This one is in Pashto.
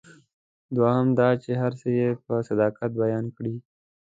دوهم دا چې هر څه یې په صداقت بیان کړي.